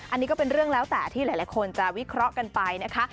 อันนี้ก็เป็นเรื่องแล้วแต่ที่หลายคนจะวิเคราะห์กันไปนะคะ